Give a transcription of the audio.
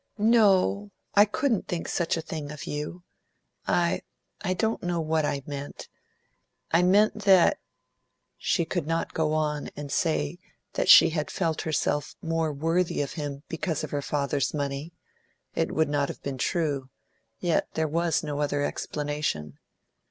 "No, I couldn't think such a thing of you. I I don't know what I meant. I meant that " She could not go on and say that she had felt herself more worthy of him because of her father's money; it would not have been true; yet there was no other explanation.